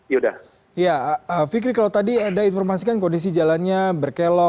ya fikri kalau tadi ada informasi kan kondisi jalannya berkelok